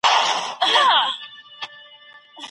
رسول الله له ټولو سره نېکي کوله.